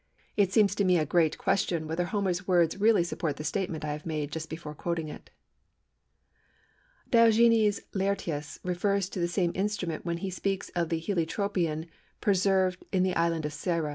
It seems to me a great question whether Homer's words really support the statement I have made just before quoting it. Diogenes Laërtius refers to this same instrument when he speaks of the Heliotropion preserved in the Island of Syra.